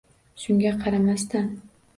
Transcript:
Shunga qaramasdan